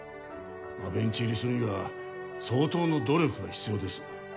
まあベンチ入りするには相当の努力が必要です